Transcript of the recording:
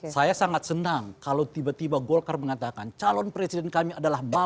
saya sangat senang kalau tiba tiba golkar mengatakan calon presiden kami adalah